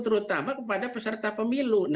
terutama kepada peserta pemilu